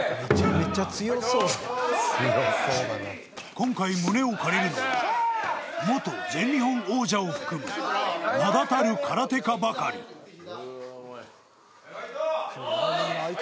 今回胸を借りるのは元全日本王者を含む名だたる空手家ばかりファイト！